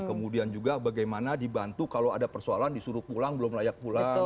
kemudian juga bagaimana dibantu kalau ada persoalan disuruh pulang belum layak pulang